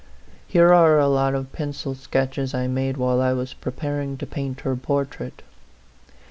Here are a lot of pencil sketches I made while I was preparing to paint her portrait.